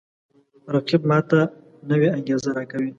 رقیب ما ته نوی انگیزه راکوي